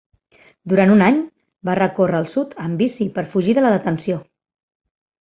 Durant un any, va recórrer el sud amb bici per fugir de la detenció.